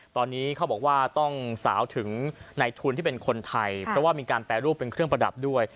ตอนนี้เขาบอกว่าต้องสาวถึงในทุนที่เป็นคนไทยเพราะว่ามีการแปรรูปเป็นเครื่องประดับด้วย